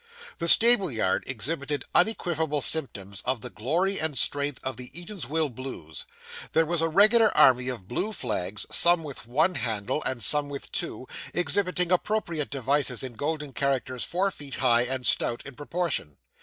The stable yard exhibited unequivocal symptoms of the glory and strength of the Eatanswill Blues. There was a regular army of blue flags, some with one handle, and some with two, exhibiting appropriate devices, in golden characters four feet high, and stout in proportion.